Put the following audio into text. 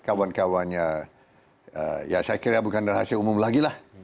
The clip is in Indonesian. kawan kawannya ya saya kira bukan rahasia umum lagi lah